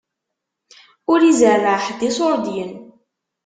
Ur izerreɛ ḥedd iṣuṛdiyen.